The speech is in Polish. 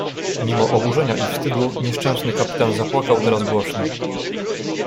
"Mimo oburzenia i wstydu nieszczęsny kapitan zapłakał teraz głośno."